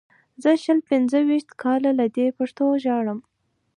زه شل پنځه ویشت کاله له دې پښتو ژاړم.